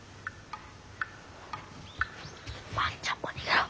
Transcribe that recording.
万ちゃんも逃げろ。